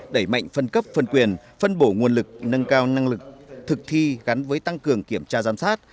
đẩy mạnh phân cấp phân quyền phân bổ nguồn lực nâng cao năng lực thực thi gắn với tăng cường kiểm tra giám sát